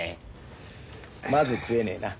まず食えねえな。